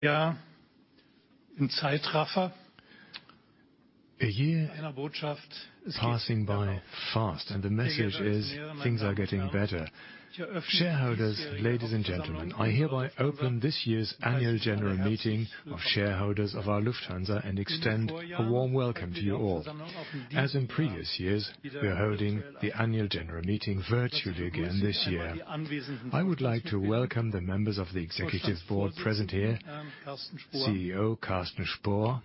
Ja. In Zeitraffer. A year passing by fast, and the message is things are getting better. Shareholders, ladies and gentlemen, I hereby open this year's annual general meeting of shareholders of our Lufthansa and extend a warm welcome to you all. As in previous years, we are holding the annual general meeting virtually again this year. I would like to welcome the members of the executive board present here, CEO Carsten Spohr.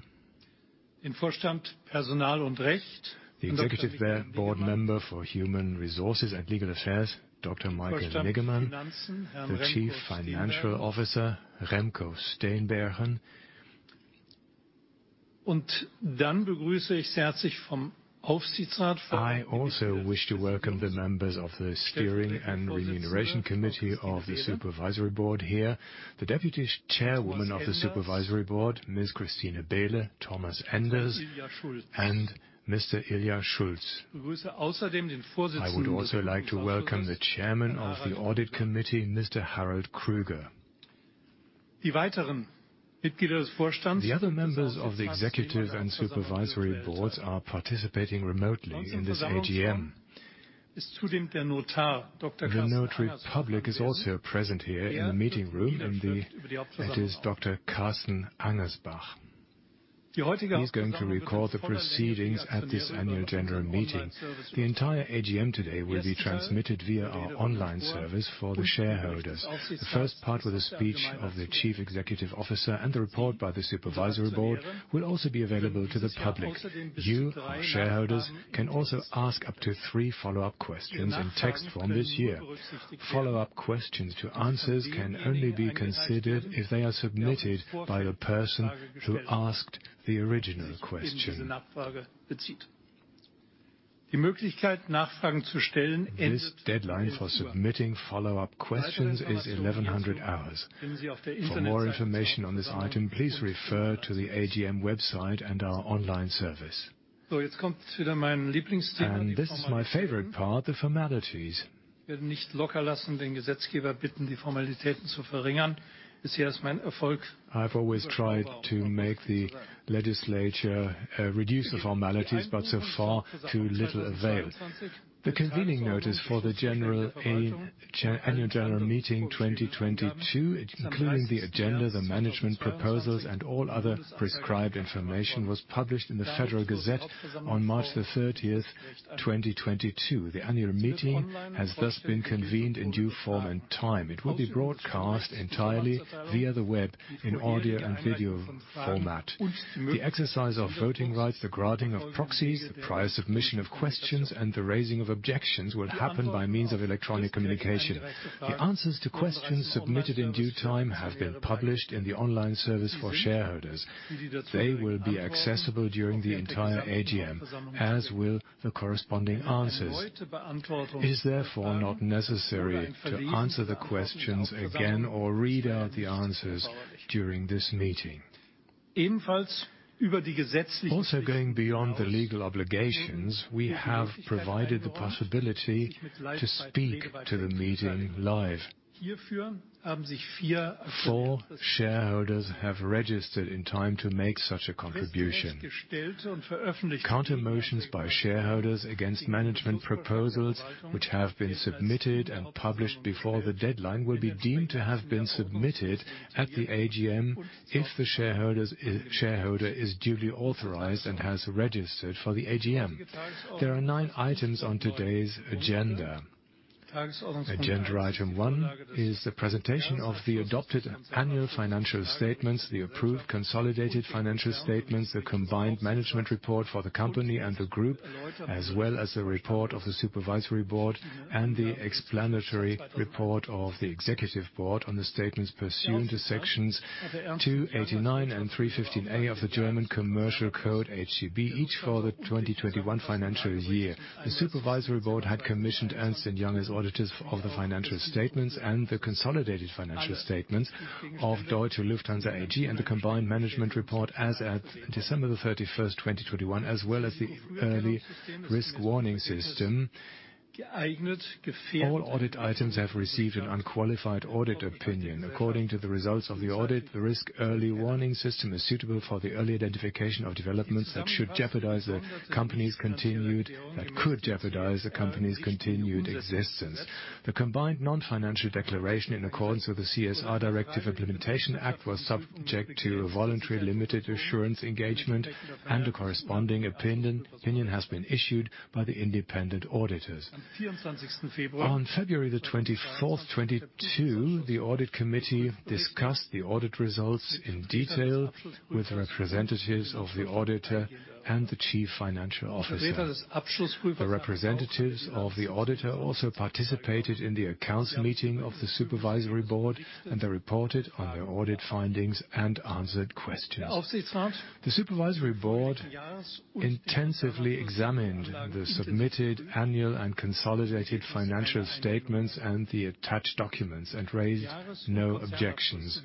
Im Vorstand Personal und Recht. The Executive Board member for Human Resources and Legal Affairs, Dr. Michael Niggemann. Im Vorstand Finanzen. The Chief Financial Officer, Remco Steenbergen. Begrüße ich herzlich vom Aufsichtsrat. I also wish to welcome the members of the Steering and Remuneration Committee of the Supervisory Board here, the Deputy Chairwoman of the Supervisory Board, Ms. Christine Behle, Thomas Enders, and Mr. Ilja Schulz. I would also like to welcome the Chairman of the Audit Committee, Mr. Harald Krüger. Die weiteren Mitglieder des Vorstands. The other members of the Executive and Supervisory Boards are participating remotely in this AGM. Ist zudem der Notar Dr. The notary public is also present here in the meeting room, and that is Dr. Carsten Angersbach. He's going to record the proceedings at this annual general meeting. The entire AGM today will be transmitted via our online service for the shareholders. The first part with the speech of the chief executive officer and the report by the supervisory board will also be available to the public. You, our shareholders, can also ask up to three follow-up questions in text form this year. Follow-up questions to answers can only be considered if they are submitted by the person who asked the original question. Die Möglichkeit, Nachfragen zu stellen. This deadline for submitting follow-up questions is 11:00 A.M. For more information on this item, please refer to the AGM website and our online service. Jetzt kommt wieder mein Lieblingsthema, die Formalitäten. This is my favorite part, the formalities. Ich werde nicht lockerlassen, den Gesetzgeber bitten, die Formalitäten zu verringern. Bisher ist mein Erfolg. I've always tried to make the legislature reduce the formalities, but so far to little avail. The convening notice for the annual general meeting 2022, including the agenda, the management proposals, and all other prescribed information, was published in the Federal Gazette on March 30th, 2022. The annual meeting has thus been convened in due form and time. It will be broadcast entirely via the web in audio and video format. The exercise of voting rights, the granting of proxies, the prior submission of questions, and the raising of objections will happen by means of electronic communication. The answers to questions submitted in due time have been published in the online service for shareholders. They will be accessible during the entire AGM, as will the corresponding answers. It is therefore not necessary to answer the questions again or read out the answers during this meeting. Ebenfalls über die gesetzlichen. Also, going beyond the legal obligations, we have provided the possibility to speak to the meeting live. Hierfür haben sich vier- Four shareholders have registered in time to make such a contribution. Counter motions by shareholders against management proposals which have been submitted and published before the deadline will be deemed to have been submitted at the AGM if the shareholder is duly authorized and has registered for the AGM. There are nine items on today's agenda. Agenda item one is the presentation of the adopted annual financial statements, the approved consolidated financial statements, the combined management report for the company and the group, as well as the report of the supervisory board and the explanatory report of the executive board on the statements pursuant to sections 289 and 315a of the German Commercial Code, HGB, each for the 2021 financial year. The supervisory board had commissioned Ernst & Young as auditors of the financial statements and the consolidated financial statements of Deutsche Lufthansa AG and the combined management report as at December 31st, 2021, as well as the early risk warning system. All audit items have received an unqualified audit opinion. According to the results of the audit, the risk early warning system is suitable for the early identification of developments that could jeopardize the company's continued existence. The combined non-financial declaration in accordance with the CSR Directive Implementation Act was subject to a voluntary limited assurance engagement, and a corresponding opinion has been issued by the independent auditors. On February 24th, 2022, the audit committee discussed the audit results in detail with representatives of the auditor and the chief financial officer. The representatives of the auditor also participated in the accounts meeting of the supervisory board, and they reported on their audit findings and answered questions. The supervisory board intensively examined the submitted annual and consolidated financial statements and the attached documents and raised no objections.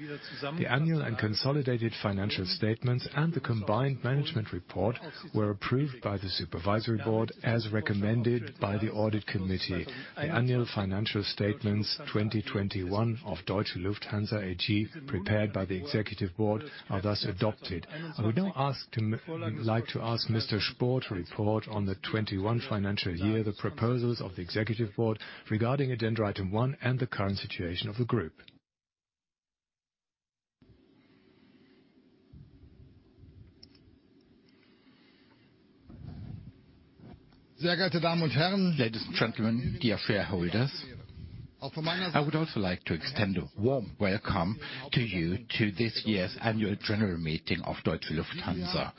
The annual and consolidated financial statements and the combined management report were approved by the supervisory board as recommended by the audit committee. The annual financial statements 2021 of Deutsche Lufthansa AG, prepared by the executive board, are thus adopted. I would now like to ask Mr. Spohr to report on the 2021 financial year, the proposals of the executive board regarding agenda item one and the current situation of the group. Ladies and gentlemen, dear shareholders, I would also like to extend a warm welcome to you to this year's annual general meeting of Deutsche Lufthansa.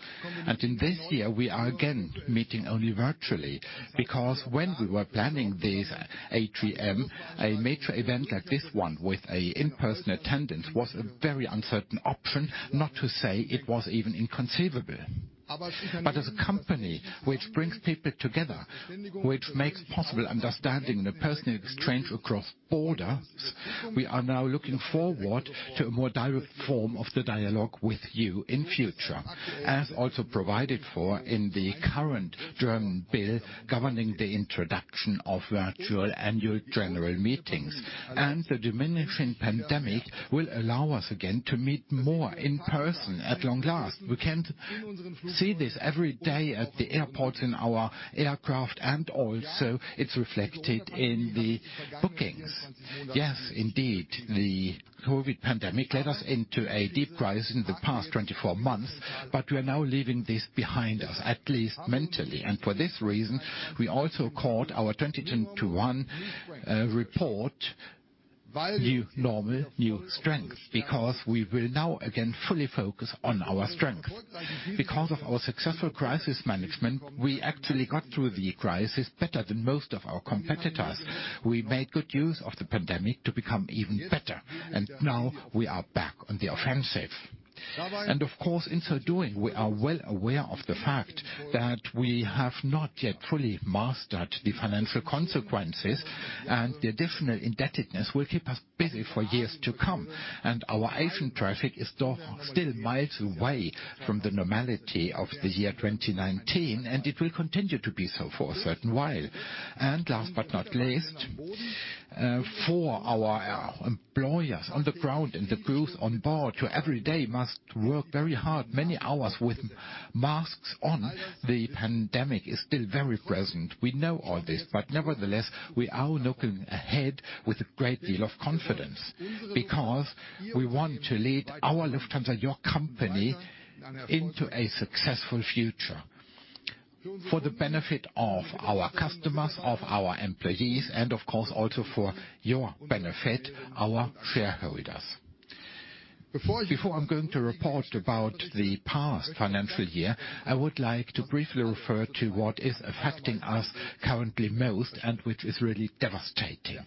In this year, we are again meeting only virtually because when we were planning this AGM, a major event like this one with an in-person attendance was a very uncertain option, not to say it was even inconceivable. As a company which brings people together, which makes possible understanding the personal exchange across borders, we are now looking forward to a more direct form of the dialogue with you in future, as also provided for in the current German bill governing the introduction of virtual annual general meetings. The diminishing pandemic will allow us again to meet more in person at long last. We can see this every day at the airports in our aircraft, and also it's reflected in the bookings. Yes, indeed, the COVID pandemic led us into a deep crisis in the past 24 months, but we are now leaving this behind us, at least mentally. For this reason, we also called our 2021 report New Normal, New Strength, because we will now again fully focus on our strength. Because of our successful crisis management, we actually got through the crisis better than most of our competitors. We made good use of the pandemic to become even better, and now we are back on the offensive. Of course, in so doing, we are well aware of the fact that we have not yet fully mastered the financial consequences, and the additional indebtedness will keep us busy for years to come. Our Asian traffic is still miles away from the normality of the year 2019, and it will continue to be so for a certain while. Last but not least, for our employees on the ground and the crews on board who every day must work very hard, many hours with masks on, the pandemic is still very present. We know all this, but nevertheless, we are looking ahead with a great deal of confidence because we want to lead our Lufthansa, your company, into a successful future for the benefit of our customers, of our employees, and of course also for your benefit, our shareholders. Before I'm going to report about the past financial year, I would like to briefly refer to what is affecting us currently most and which is really devastating,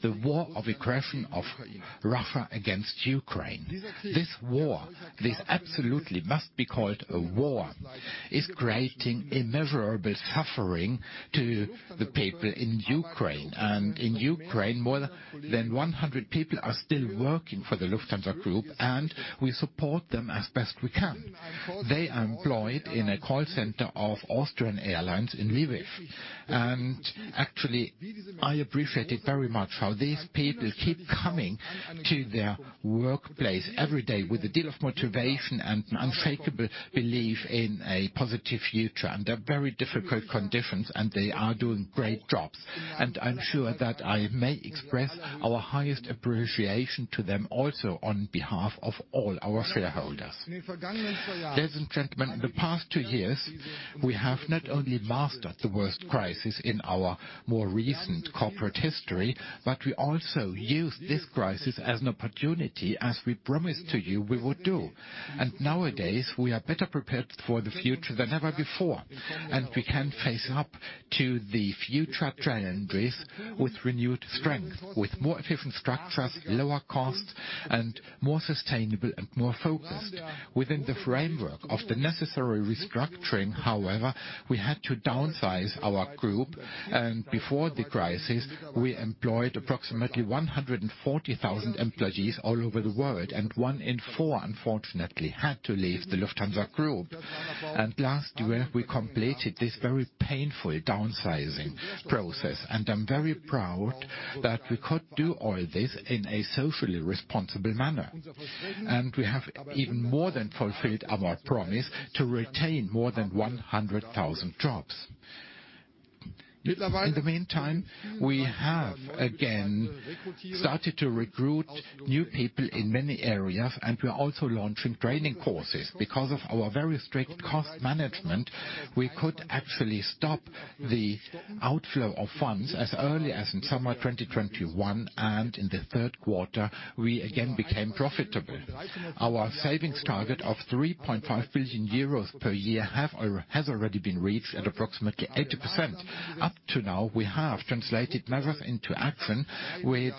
the war of aggression of Russia against Ukraine. This war, this absolutely must be called a war, is creating immeasurable suffering to the people in Ukraine. In Ukraine, more than 100 people are still working for the Lufthansa Group, and we support them as best we can. They are employed in a call center of Austrian Airlines in Lviv. Actually, I appreciate it very much how these people keep coming to their workplace every day with a deal of motivation and an unshakable belief in a positive future under very difficult conditions, and they are doing great jobs. I'm sure that I may express our highest appreciation to them also on behalf of all our shareholders. Ladies and gentlemen, in the past two years, we have not only mastered the worst crisis in our more recent corporate history, but we also used this crisis as an opportunity as we promised to you we would do. Nowadays, we are better prepared for the future than ever before, and we can face up to the future challenges with renewed strength, with more efficient structures, lower costs, and more sustainable and more focused. Within the framework of the necessary restructuring, however, we had to downsize our group, and before the crisis, we employed approximately 140,000 employees all over the world, and one in four, unfortunately, had to leave the Lufthansa Group. Last year, we completed this very painful downsizing process, and I'm very proud that we could do all this in a socially responsible manner. We have even more than fulfilled our promise to retain more than 100,000 jobs. In the meantime, we have again started to recruit new people in many areas, and we're also launching training courses. Because of our very strict cost management, we could actually stop the outflow of funds as early as in summer 2021, and in the Q3, we again became profitable. Our savings target of 3.5 billion euros per year has already been reached at approximately 80%. Up to now, we have translated measures into action which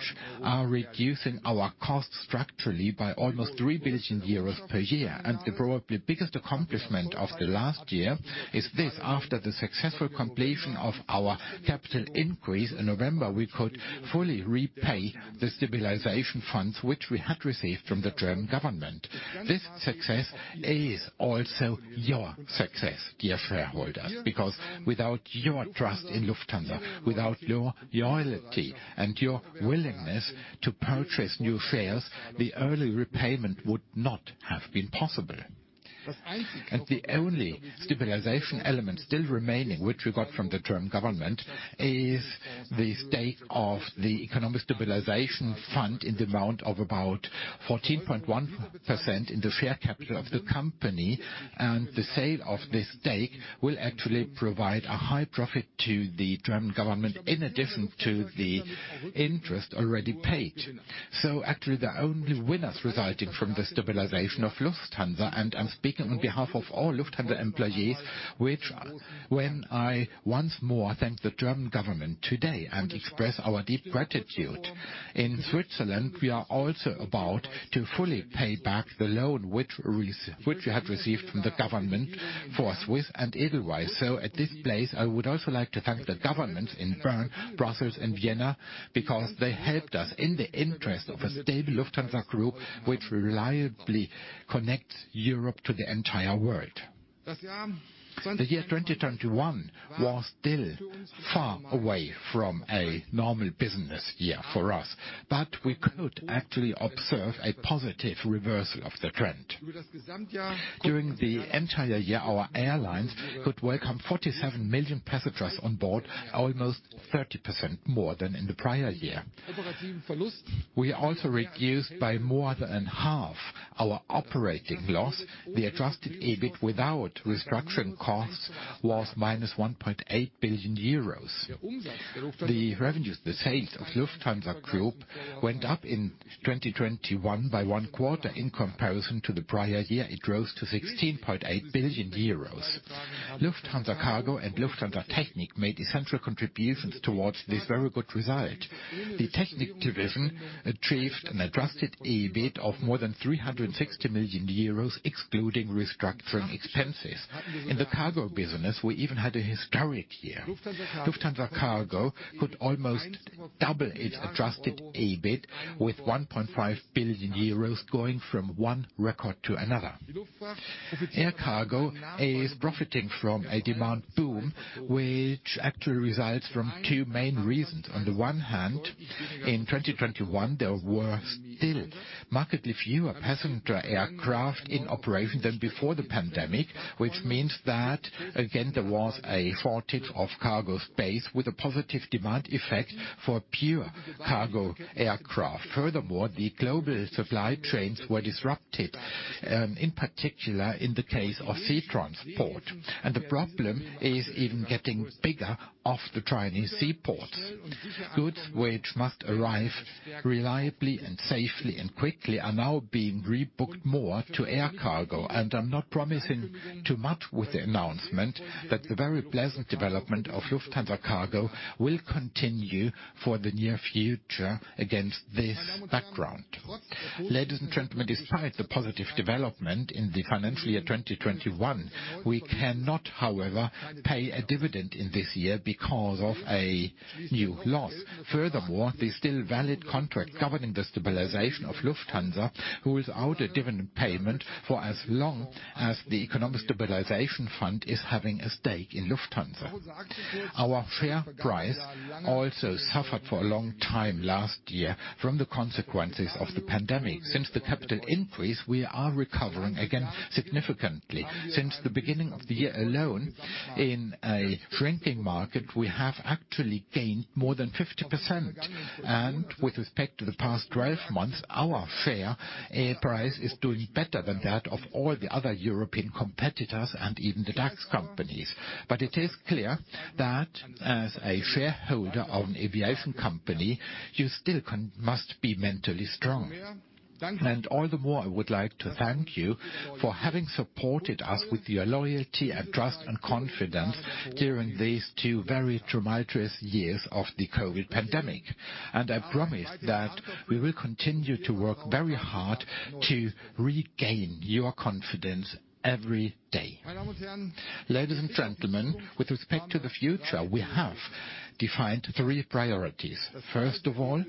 are reducing our costs structurally by almost 3 billion euros per year. The probably biggest accomplishment of the last year is this. After the successful completion of our capital increase in November, we could fully repay the stabilization funds which we had received from the German government. This success is also your success, dear shareholders, because without your trust in Lufthansa, without your loyalty and your willingness to purchase new shares, the early repayment would not have been possible. The only stabilization element still remaining, which we got from the German government, is the stake of the Economic Stabilization Fund in the amount of about 14.1% in the share capital of the company. The sale of this stake will actually provide a high profit to the German government in addition to the interest already paid. Actually, the only winners resulting from the stabilization of Lufthansa, and I'm speaking on behalf of all Lufthansa employees, which when I once more thank the German government today and express our deep gratitude. In Switzerland, we are also about to fully pay back the loan which we had received from the government for Swiss and Edelweiss. At this place, I would also like to thank the governments in Bern, Brussels, and Vienna because they helped us in the interest of a stable Lufthansa Group which reliably connects Europe to the entire world. The year 2021 was still far away from a normal business year for us, but we could actually observe a positive reversal of the trend. During the entire year, our airlines could welcome 47 million passengers on board, almost 30% more than in the prior year. We also reduced by more than half our operating loss. The Adjusted EBIT without restructuring costs was -1.8 billion euros. The revenues, the sales of Lufthansa Group went up in 2021 by Q1 in comparison to the prior year. It rose to 16.8 billion euros. Lufthansa Cargo and Lufthansa Technik made essential contributions towards this very good result. The Technik division achieved an Adjusted EBIT of more than 360 million euros, excluding restructuring expenses. In the cargo business, we even had a historic year. Lufthansa Cargo could almost double its Adjusted EBIT with 1.5 billion euros going from one record to another. Air cargo is profiting from a demand boom, which actually results from two main reasons. On the one hand, in 2021, there were still markedly fewer passenger aircraft in operation than before the pandemic, which means that again, there was a shortage of cargo space with a positive demand effect for pure cargo aircraft. Furthermore, the global supply trains were disrupted in particular in the case of sea transport. The problem is even getting bigger at the Chinese seaport. Goods which must arrive reliably and safely and quickly are now being rebooked more to air cargo. I'm not promising too much with the announcement that the very pleasant development of Lufthansa Cargo will continue for the near future against this background. Ladies and gentlemen, despite the positive development in the financial year 2021, we cannot, however, pay a dividend in this year because of a new loss. Furthermore, the still valid contract governing the stabilization of Lufthansa rules out a dividend payment for as long as the Economic Stabilization Fund is having a stake in Lufthansa. Our share price also suffered for a long time last year from the consequences of the pandemic. Since the capital increase, we are recovering again significantly. Since the beginning of the year alone, in a shrinking market, we have actually gained more than 50%. With respect to the past 12 months, our share price is doing better than that of all the other European competitors and even the DAX companies. It is clear that as a shareholder of an aviation company, you still must be mentally strong. All the more, I would like to thank you for having supported us with your loyalty and trust and confidence during these two very tumultuous years of the COVID pandemic. I promise that we will continue to work very hard to regain your confidence every day. Ladies and gentlemen, with respect to the future, we have defined three priorities. First of all,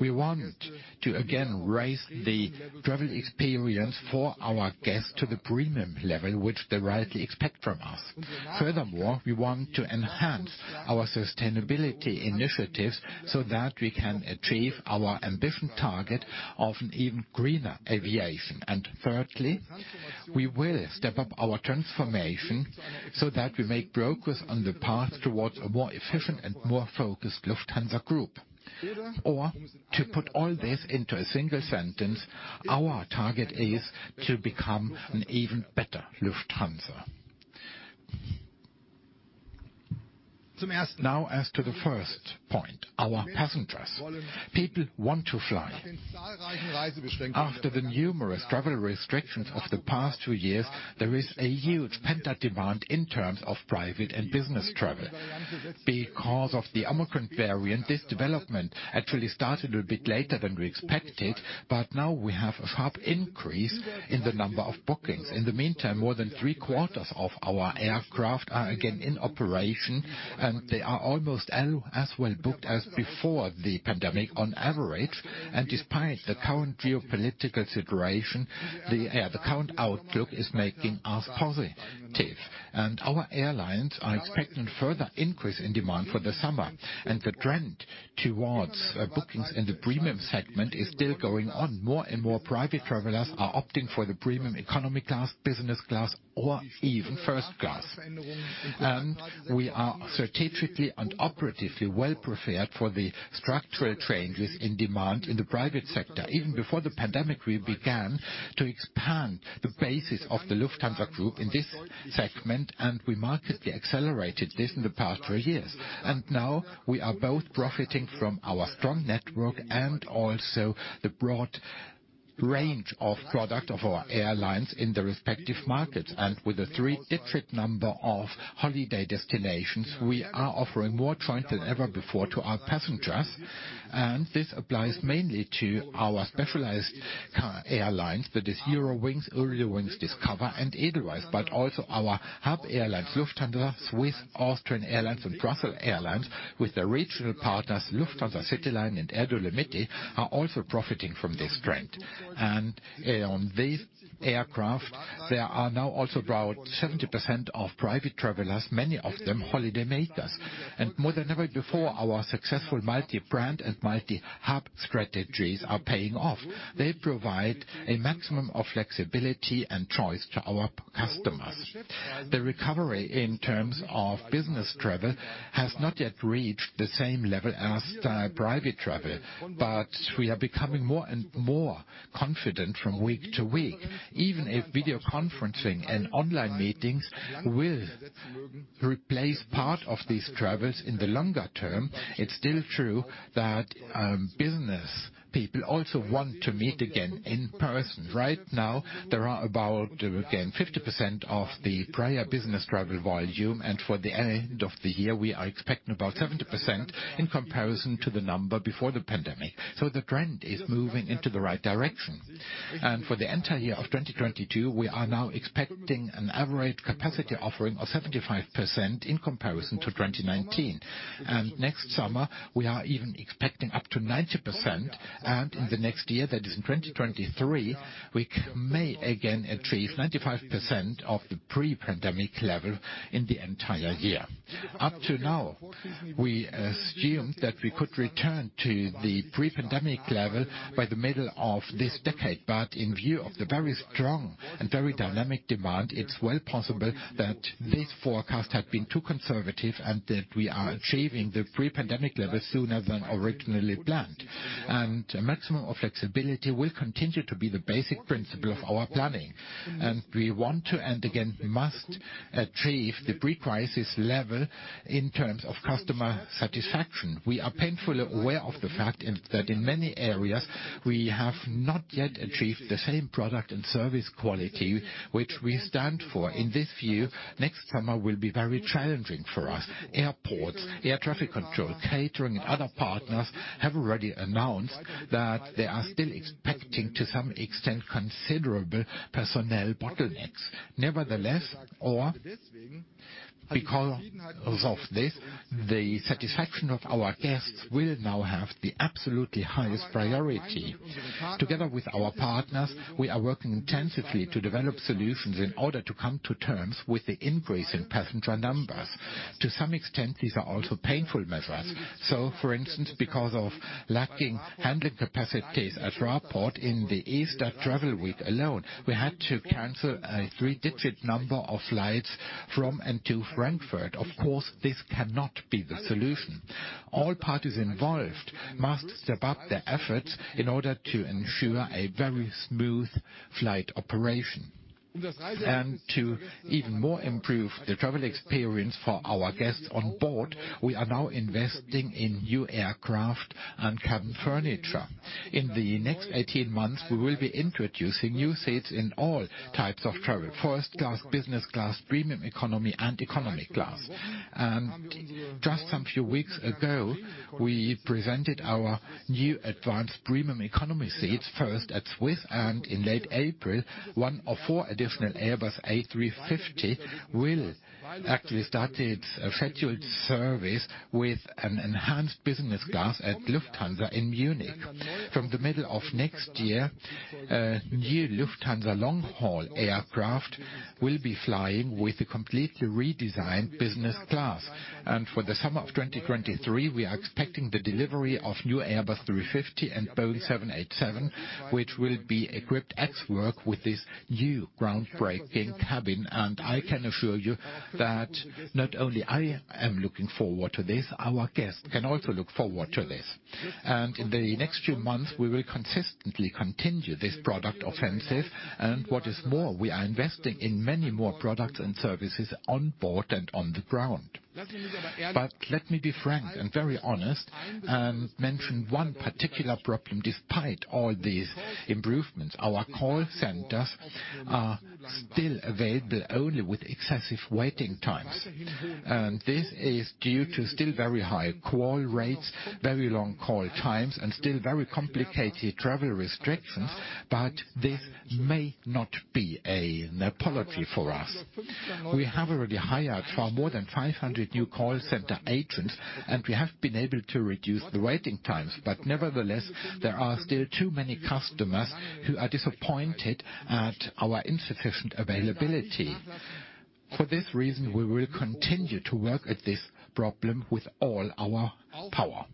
we want to again raise the travel experience for our guests to the premium level, which they rightly expect from us. Furthermore, we want to enhance our sustainability initiatives so that we can achieve our ambitious target of an even greener aviation. Thirdly, we will step up our transformation so that we make progress on the path towards a more efficient and more focused Lufthansa Group. To put all this into a single sentence, our target is to become an even better Lufthansa. Now, as to the first point, our passengers. People want to fly. After the numerous travel restrictions of the past two years, there is a huge pent-up demand in terms of private and business travel. Because of the Omicron variant, this development actually started a bit later than we expected, but now we have a sharp increase in the number of bookings. In the meantime, more than three-quarters of our aircraft are again in operation, and they are almost as well booked as before the pandemic on average. Despite the current geopolitical situation, the current outlook is making us positive. Our airlines are expecting further increase in demand for the summer, and the trend towards bookings in the premium segment is still going on. More and more private travelers are opting for the Premium Economy class, business class or even first class. We are strategically and operatively well prepared for the structural changes in demand in the private sector. Even before the pandemic, we began to expand the basis of the Lufthansa Group in this segment, and we markedly accelerated this in the past three years. Now we are both profiting from our strong network and also the broad range of product of our airlines in the respective markets. With a three-digit number of holiday destinations, we are offering more choice than ever before to our passengers. This applies mainly to our specialized airlines, that is Eurowings Discover, and Edelweiss. Also our hub airlines, Lufthansa, Swiss, Austrian Airlines, and Brussels Airlines, with the regional partners Lufthansa CityLine and Air Dolomiti, are also profiting from this trend. On these aircraft, there are now also about 70% of private travelers, many of them holiday makers. More than ever before, our successful multi-brand and multi-hub strategies are paying off. They provide a maximum of flexibility and choice to our customers. The recovery in terms of business travel has not yet reached the same level as private travel, but we are becoming more and more confident from week to week. Even if video conferencing and online meetings will replace part of these travels in the longer term, it's still true that business people also want to meet again in person. Right now, there are about, again, 50% of the prior business travel volume, and for the end of the year, we are expecting about 70% in comparison to the number before the pandemic. The trend is moving into the right direction. For the entire year of 2022, we are now expecting an average capacity offering of 75% in comparison to 2019. Next summer, we are even expecting up to 90%, and in the next year, that is in 2023, we may again achieve 95% of the pre-pandemic level in the entire year. Up to now, we assumed that we could return to the pre-pandemic level by the middle of this decade, but in view of the very strong and very dynamic demand, it's well possible that this forecast had been too conservative and that we are achieving the pre-pandemic level sooner than originally planned. A maximum of flexibility will continue to be the basic principle of our planning, and we want to, and again, must achieve the pre-crisis level in terms of customer satisfaction. We are painfully aware of the fact that in many areas we have not yet achieved the same product and service quality which we stand for. In this view, next summer will be very challenging for us. Airports, air traffic control, catering, and other partners have already announced that they are still expecting, to some extent, considerable personnel bottlenecks. Nevertheless, or because of this, the satisfaction of our guests will now have the absolutely highest priority. Together with our partners, we are working intensively to develop solutions in order to come to terms with the increase in passenger numbers. To some extent, these are also painful measures. For instance, because of lacking handling capacities at our port in the Easter travel week alone, we had to cancel a three-digit number of flights from and to Frankfurt. Of course, this cannot be the solution. All parties involved must step up their efforts in order to ensure a very smooth flight operation. To even more improve the travel experience for our guests on board, we are now investing in new aircraft and cabin furniture. In the next 18 months, we will be introducing new seats in all types of travel, first class, business class, Premium Economy, and economy class. Just some few weeks ago, we presented our new advanced Premium Economy seats first at Swiss, and in late April, one of 4 additional Airbus A350 will actually start its scheduled service with an enhanced business class at Lufthansa in Munich. From the middle of next year, a new Lufthansa long-haul aircraft will be flying with a completely redesigned business class. For the summer of 2023, we are expecting the delivery of new Airbus A350 and Boeing 787, which will be equipped ex-work with this new groundbreaking cabin. I can assure you that not only I am looking forward to this, our guests can also look forward to this. In the next few months, we will consistently continue this product offensive. What is more, we are investing in many more products and services on board and on the ground. Let me be frank and very honest, mention one particular problem despite all these improvements, our call centers are still available only with excessive waiting times. This is due to still very high call rates, very long call times, and still very complicated travel restrictions, but this may not be an apology for us. We have already hired far more than 500 new call center agents, and we have been able to reduce the waiting times. Nevertheless, there are still too many customers who are disappointed at our insufficient availability. For this reason, we will continue to work at this problem with all our power.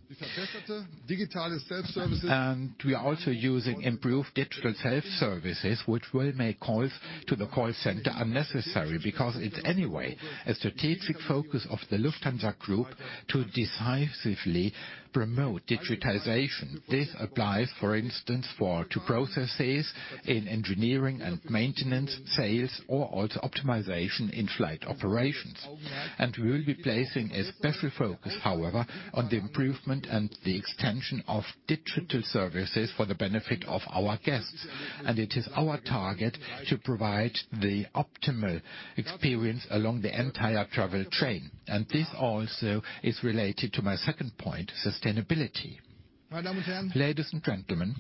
We are also using improved digital self-services, which will make calls to the call center unnecessary because it's anyway a strategic focus of the Lufthansa Group to decisively promote digitization. This applies, for instance, to processes in engineering and maintenance, sales, or also optimization in flight operations. We will be placing a special focus, however, on the improvement and the extension of digital services for the benefit of our guests. It is our target to provide the optimal experience along the entire travel chain. This also is related to my second point, sustainability. Ladies and gentlemen,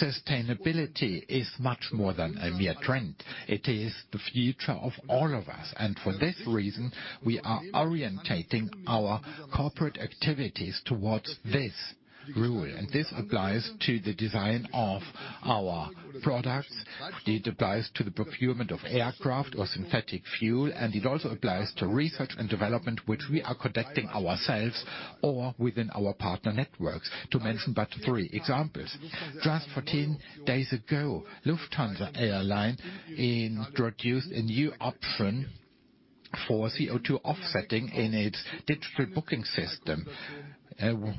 sustainability is much more than a mere trend. It is the future of all of us. For this reason, we are orienting our corporate activities towards this rule. This applies to the design of our products. It applies to the procurement of aircraft or synthetic fuel, and it also applies to research and development, which we are conducting ourselves or within our partner networks to mention but three examples. Just 14 days ago, Lufthansa introduced a new option for CO₂ offsetting in its digital booking system.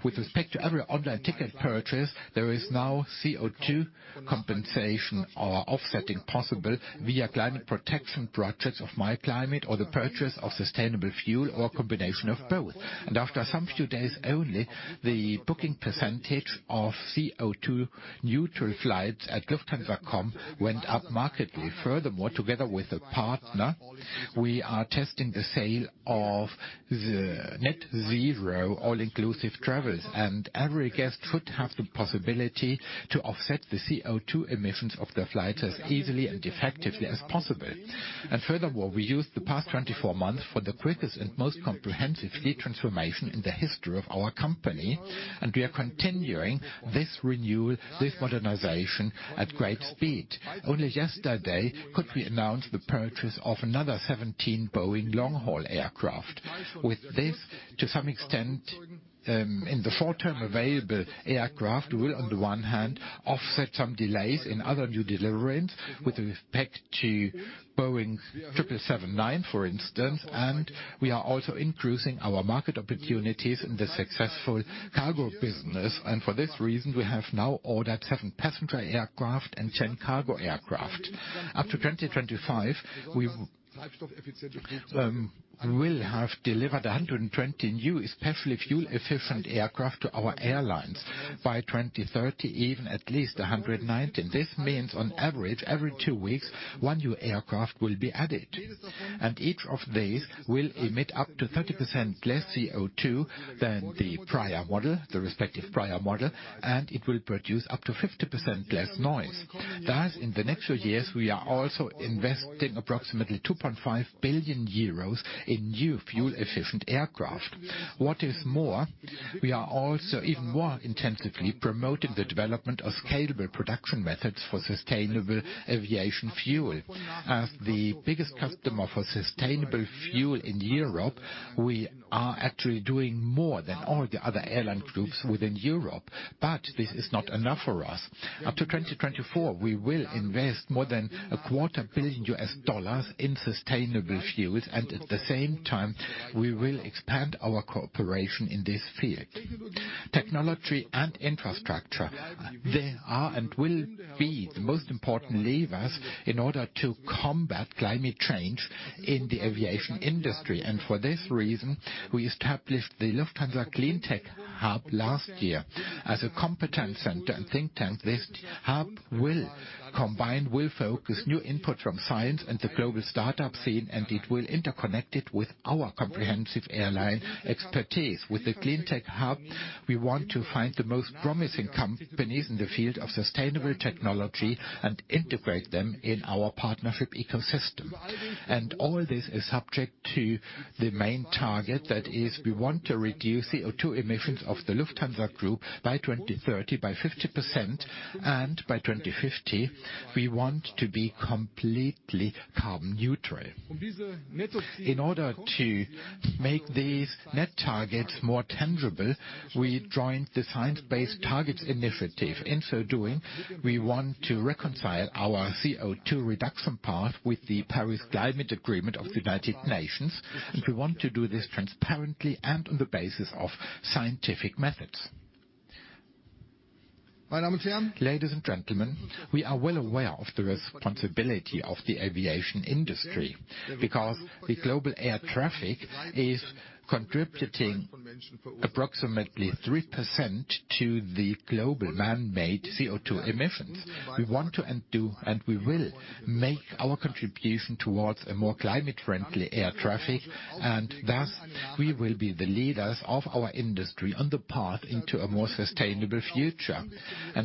With respect to every online ticket purchase, there is now CO₂ compensation or offsetting possible via climate protection projects of myclimate or the purchase of sustainable fuel or a combination of both. After some few days only, the booking percentage of CO₂ neutral flights at lufthansa.com went up markedly. Furthermore, together with a partner, we are testing the sale of the net zero all-inclusive travels, and every guest should have the possibility to offset the CO₂ emissions of their flight as easily and effectively as possible. Furthermore, we used the past 24 months for the quickest and most comprehensive fleet transformation in the history of our company, and we are continuing this renewal, this modernization at great speed. Only yesterday could we announce the purchase of another 17 Boeing long-haul aircraft. With this, to some extent, in the short term, available aircraft will, on the one hand, offset some delays in other new deliveries with respect to Boeing 777-9, for instance. We are also increasing our market opportunities in the successful cargo business. For this reason, we have now ordered seven passenger aircraft and 10 cargo aircraft. Up to 2025, we will have delivered 120 new, especially fuel-efficient aircraft to our airlines. By 2030, even at least 190. This means, on average, every two weeks, one new aircraft will be added, and each of these will emit up to 30% less CO₂ than the respective prior model, and it will produce up to 50% less noise. Thus, in the next few years, we are also investing approximately 2.5 billion euros in new fuel-efficient aircraft. What is more, we are also even more intensively promoting the development of scalable production methods for sustainable aviation fuel. As the biggest customer for sustainable fuel in Europe, we are actually doing more than all the other airline groups within Europe. This is not enough for us. Up to 2024, we will invest more than a quarter billion U.S dollars in sustainable fuels, and at the same time, we will expand our cooperation in this field. Technology and infrastructure, they are and will be the most important levers in order to combat climate change in the aviation industry. For this reason, we established the Lufthansa CleanTech Hub last year as a competence center and think tank. This hub will focus new input from science and the global start-up scene, and it will interconnect it with our comprehensive airline expertise. With the CleanTech Hub, we want to find the most promising companies in the field of sustainable technology and integrate them in our partnership ecosystem. All this is subject to the main target. That is, we want to reduce CO₂ emissions of the Lufthansa Group by 2030 by 50%, and by 2050, we want to be completely carbon neutral. In order to make these net targets more tangible, we joined the Science Based Targets initiative. In so doing, we want to reconcile our CO₂ reduction path with the Paris Agreement of the United Nations, and we want to do this transparently and on the basis of scientific methods. Ladies and gentlemen, we are well aware of the responsibility of the aviation industry because the global air traffic is contributing approximately 3% to the global man-made CO₂ emissions. We want to, and do, and we will make our contribution towards a more climate-friendly air traffic and thus we will be the leaders of our industry on the path into a more sustainable future.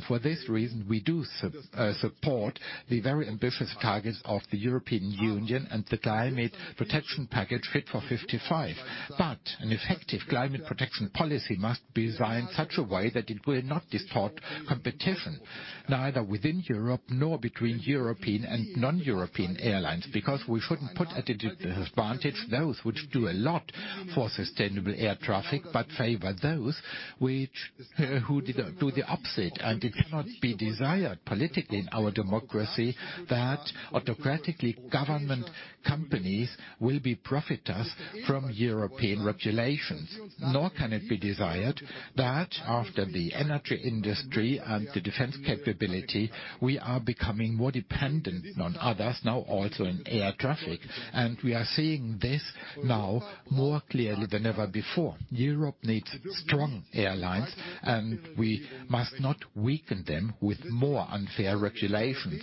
For this reason, we do support the very ambitious targets of the European Union and the climate protection package Fit for 55. An effective climate protection policy must be designed in such a way that it will not distort competition neither within Europe nor between European and non-European airlines, because we shouldn't put at a disadvantage those which do a lot for sustainable air traffic, but favor those which, who do the opposite. It cannot be desired politically in our democracy that autocratic government companies will be profiteers from European regulations, nor can it be desired that after the energy industry and the defense capability, we are becoming more dependent on others now also in air traffic. We are seeing this now more clearly than ever before. Europe needs strong airlines, and we must not weaken them with more unfair regulations.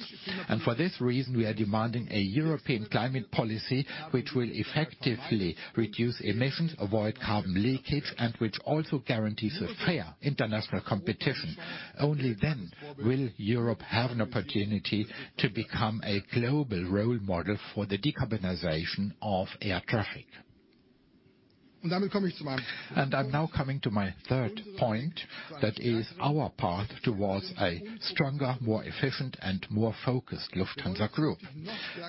For this reason, we are demanding a European climate policy which will effectively reduce emissions, avoid carbon leakage, and which also guarantees a fair international competition. Only then will Europe have an opportunity to become a global role model for the decarbonization of air traffic. I'm now coming to my third point, that is our path towards a stronger, more efficient, and more focused Lufthansa Group.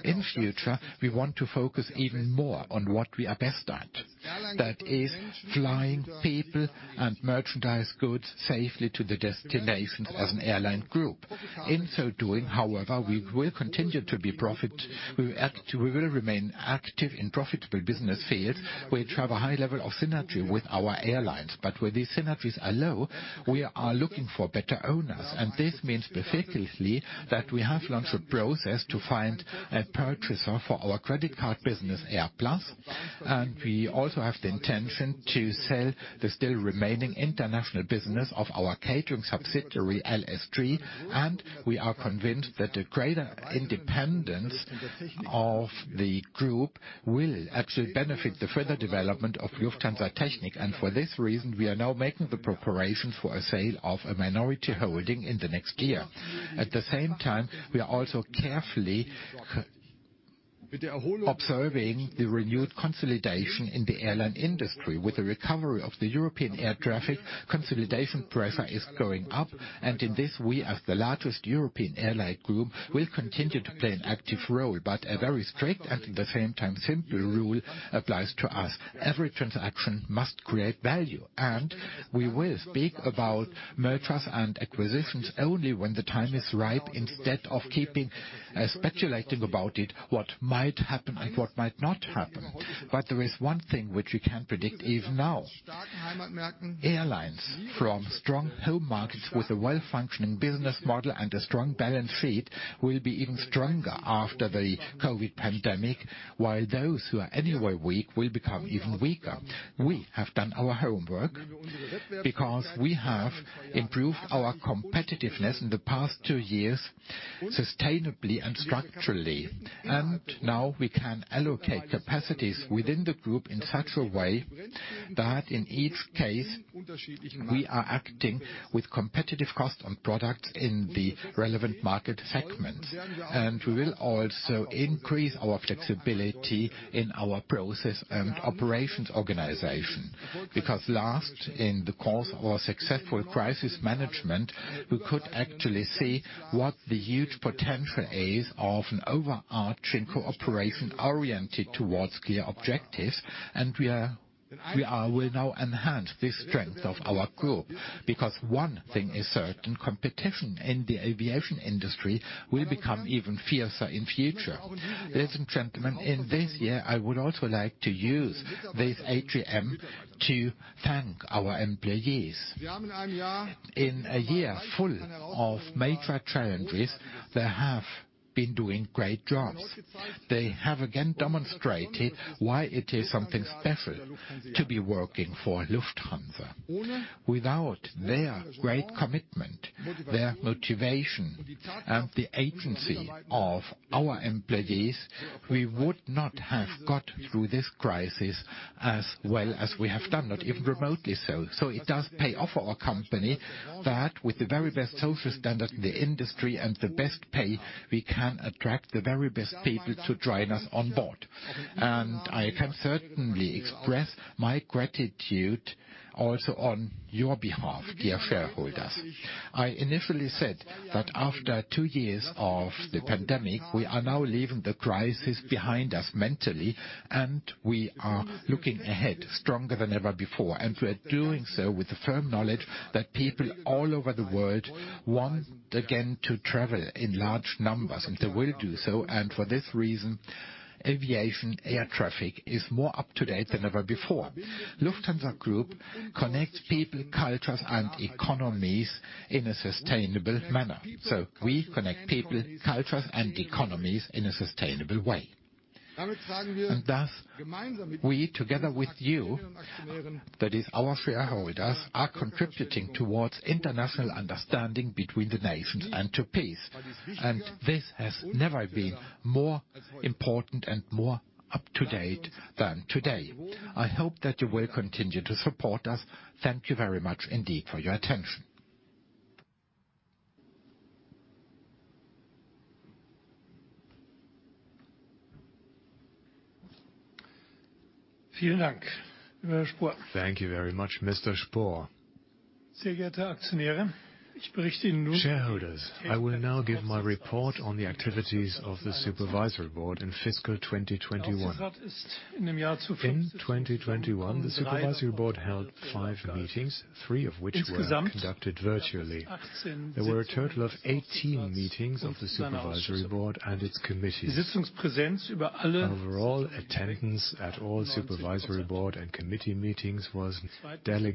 In future, we want to focus even more on what we are best at. That is flying people and merchandise goods safely to their destinations as an airline group. In so doing, however, we will continue to be profitable. We will remain active in profitable business fields, which have a high level of synergy with our airlines. Where these synergies are low, we are looking for better owners. This means specifically that we have launched a process to find a purchaser for our credit card business, AirPlus. We also have the intention to sell the still remaining international business of our catering subsidiary, LSG. We are convinced that the greater independence of the group will actually benefit the further development of Lufthansa Technik. For this reason, we are now making the preparation for a sale of a minority holding in the next year. At the same time, we are also carefully observing the renewed consolidation in the airline industry. With the recovery of the European air traffic, consolidation pressure is going up. In this, we, as the largest European airline group, will continue to play an active role. A very strict and at the same time simple rule applies to us. Every transaction must create value, and we will speak about mergers and acquisitions only when the time is ripe instead of keeping speculating about it what might happen and what might not happen. There is one thing which we can predict even now. Airlines from strong home markets with a well-functioning business model and a strong balance sheet will be even stronger after the COVID pandemic, while those who are anyway weak will become even weaker. We have done our homework because we have improved our competitiveness in the past two years sustainably and structurally. Now we can allocate capacities within the group in such a way that in each case, we are acting with competitive cost on products in the relevant market segments. We will also increase our flexibility in our process and operations organization. Because last, in the course of our successful crisis management, we could actually see what the huge potential is of an overarching cooperation oriented towards clear objectives and we will now enhance this strength of our group because one thing is certain, competition in the aviation industry will become even fiercer in future. Ladies and gentlemen, in this year, I would also like to use this AGM to thank our employees. In a year full of major challenges, they have been doing great jobs. They have again demonstrated why it is something special to be working for Lufthansa. Without their great commitment, their motivation and the agency of our employees, we would not have got through this crisis as well as we have done, not even remotely so. It does pay off for our company that with the very best social standards in the industry and the best pay, we can attract the very best people to join us on board. I can certainly express my gratitude also on your behalf, dear shareholders. I initially said that after two years of the pandemic, we are now leaving the crisis behind us mentally and we are looking ahead stronger than ever before. We're doing so with the firm knowledge that people all over the world want again to travel in large numbers, and they will do so. For this reason, aviation air traffic is more up to date than ever before. Lufthansa Group connects people, cultures, and economies in a sustainable manner. We connect people, cultures, and economies in a sustainable way. Thus, we together with you, that is our shareholders, are contributing towards international understanding between the nations and to peace. This has never been more important and more up to date than today. I hope that you will continue to support us. Thank you very much indeed for your attention. Thank you very much, Mr. Spohr. Shareholders, I will now give my report on the activities of the Supervisory Board in fiscal 2021. In 2021, the Supervisory Board held five meetings, three of which were conducted virtually. There were a total of 18 meetings of the Supervisory Board and its committees. Overall, the attendance at all Supervisory Board and committee meetings was very high. The Supervisory Board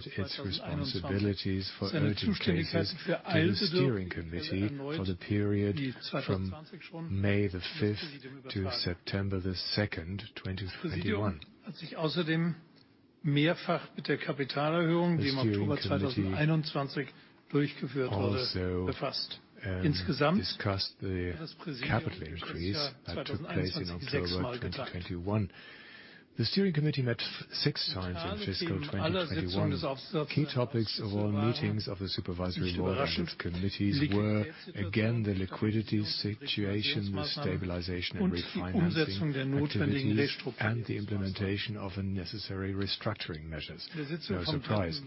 delegated its responsibilities for urgent cases to the Steering Committee for the period from May 5th to September 2nd, 2021. The Steering Committee also discussed the capital increase that took place in October 2021. The Steering Committee met six times in fiscal 2021. Key topics of all meetings of the Supervisory Board and its committees were, again, the liquidity situation, the stabilization and refinancing activities, and the implementation of the necessary restructuring measures. No surprise.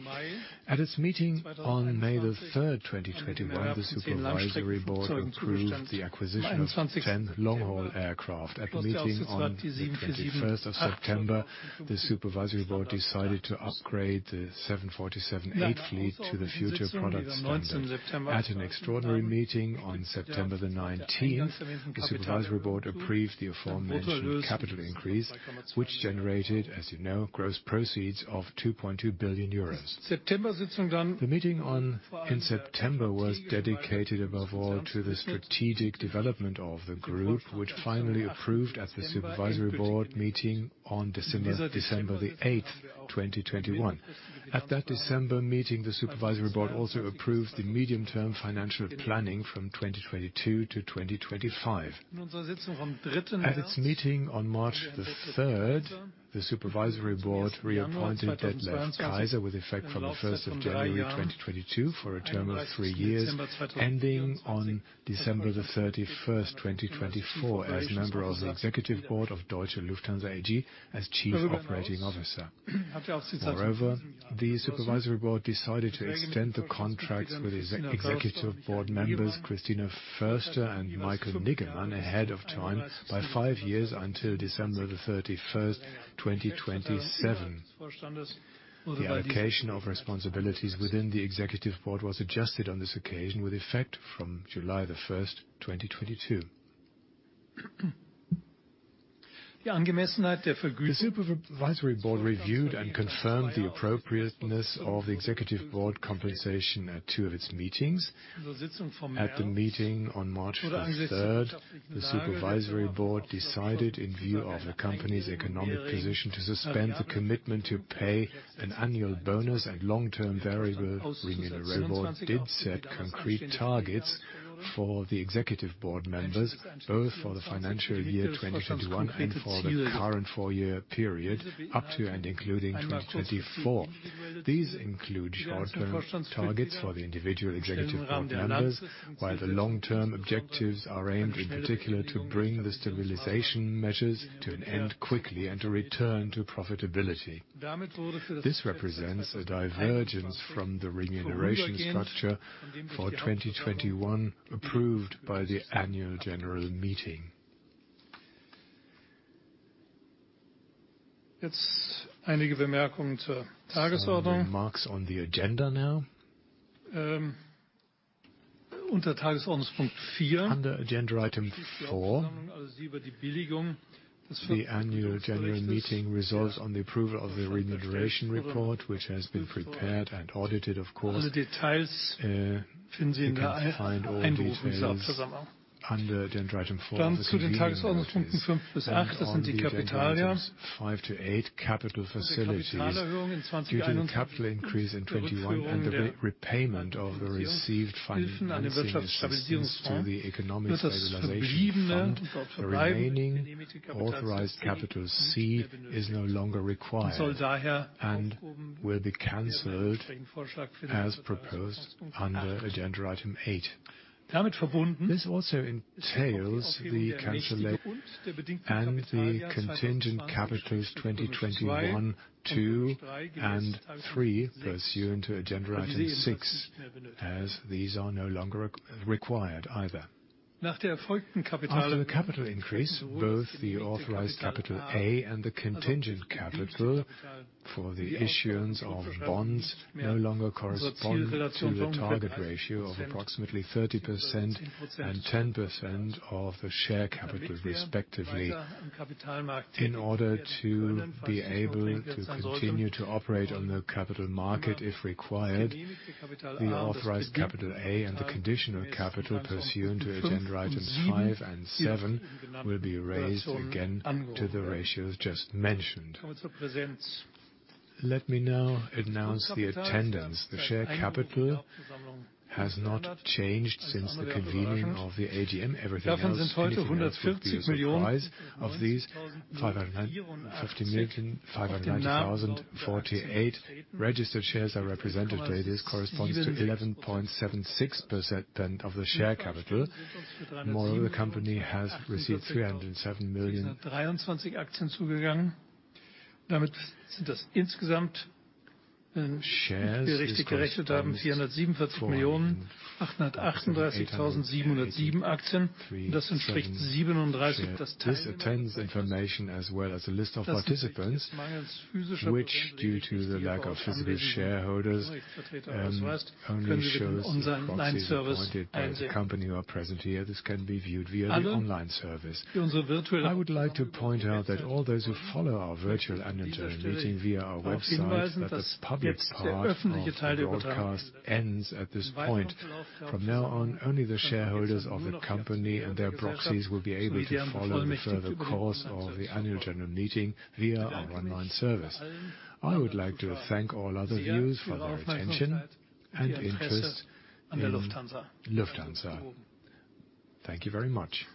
At its meeting on May 3rd, 2021, the supervisory board approved the acquisition of 10 long-haul aircraft. At meeting on the September 21st, the supervisory board decided to upgrade the 747-8 fleet to the future product standard. At an extraordinary meeting on September 19th, the supervisory board approved the aforementioned capital increase, which generated, as you know, gross proceeds of 2.2 billion euros. The meeting in September was dedicated above all to the strategic development of the group, which finally approved at the supervisory board meeting on December 8, 2021. At that December meeting, the supervisory board also approved the medium-term financial planning from 2022-2025. At its meeting on March 3rd, the Supervisory Board reappointed Detlef Kayser with effect from January 1st, 2022, for a term of three years, ending on December 31st, 2024, as member of the Executive Board of Deutsche Lufthansa AG as Chief Operating Officer. Moreover, the Supervisory Board decided to extend the contracts with Executive Board members Christina Foerster and Michael Niggemann ahead of time by five years until December 31st, 2027. The allocation of responsibilities within the Executive Board was adjusted on this occasion with effect from July 1st, 2022. The Supervisory Board reviewed and confirmed the appropriateness of the Executive Board compensation at two of its meetings. At the meeting on March 3rd, the Supervisory Board decided in view of the company's economic position to suspend the commitment to pay an annual bonus and long-term variable remuneration. The board did set concrete targets for the executive board members, both for the financial year 2021 and for the current four-year period up to and including 2024. These include short-term targets for the individual executive board members, while the long-term objectives are aimed in particular to bring the stabilization measures to an end quickly and to return to profitability. This represents a divergence from the remuneration structure for 2021 approved by the annual general meeting. Some remarks on the agenda now. Under agenda item four, the annual general meeting resolves on the approval of the remuneration report, which has been prepared and audited, of course. You can find all details under agenda item 4 of the convening notice. On the agenda items five to eight, capital facilities. Due to the capital increase in 2021 and the repayment of the received financing assistance to the Economic Stabilization Fund, the remaining Authorized Capital C is no longer required and will be canceled as proposed under agenda item eight. This also entails the cancellation of the contingent capitals 2021/2 and three pursuant to agenda item six, as these are no longer required either. After the capital increase, both the Authorized Capital A and the contingent capital for the issuance of bonds no longer correspond to the target ratio of approximately 30% and 10% of the share capital respectively. In order to be able to continue to operate on the capital market if required, the Authorized Capital A and the conditional capital pursuant to agenda items five and seven will be raised again to the ratios just mentioned. Let me now announce the attendance. The share capital has not changed since the convening of the AGM. Everything else, anything else would be a surprise. Of these, [550,590,048] registered shares are represented today. This corresponds to 11.76% of the share capital. Moreover, the company has received 307 million shares. This corresponds to [438,307] shares. This attendance information as well as a list of participants, which due to the lack of physical shareholders, only shows the proxies appointed by the company who are present here. This can be viewed via the online service. I would like to point out that all those who follow our virtual annual general meeting via our website, that the public part of the broadcast ends at this point. From now on, only the shareholders of the company and their proxies will be able to follow the further course of the annual general meeting via our online service. I would like to thank all other viewers for their attention and interest in Lufthansa. Thank you very much.